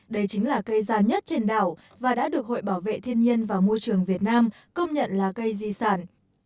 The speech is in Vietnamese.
đây chính là cây già nhất trên đảo và đã được hội bảo vệ thiên nhiên và môi trường việt nam công nhận là cây di sản